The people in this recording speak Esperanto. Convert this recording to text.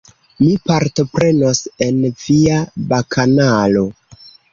Mi partoprenos en via bakanalo.